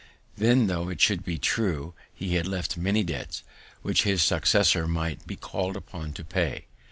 Then, tho' it should be true, he had left many debts, which his successor might be call'd upon to pay.